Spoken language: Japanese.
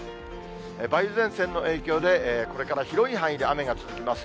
梅雨前線の影響でこれから広い範囲で雨が続きます。